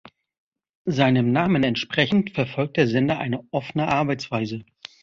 Seinem Namen entsprechend verfolgt der Sender eine "offene" Arbeitsweise.